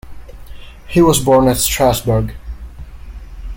He was born at Strasbourg.